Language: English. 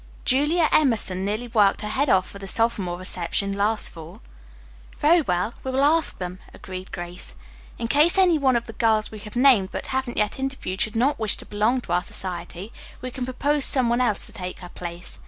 Julia Emerson nearly worked her head off for the sophomore reception last fall." "Very well, we will ask them," agreed Grace. "In case any one of the girls we have named but haven't yet interviewed should not wish to belong to our society we can propose some one else to take her place.